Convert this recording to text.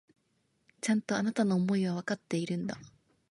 ちゃんと、あなたの思いはわかっているんだ。